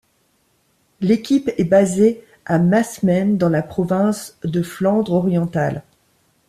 L'équipe est basée à Massemen dans la province de Flandre-Orientale.